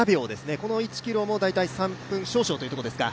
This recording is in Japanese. この１ｋｍも大体３分少々というところですか。